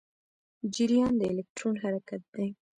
جریان د الکترون حرکت دی.